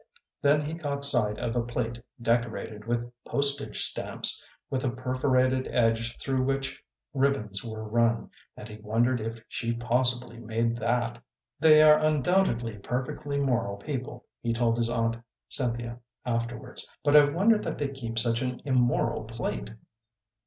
Then he caught sight of a plate decorated with postage stamps, with a perforated edge through which ribbons were run, and he wondered if she possibly made that. "They are undoubtedly perfectly moral people," he told his aunt Cynthia afterwards, "but I wonder that they keep such an immoral plate."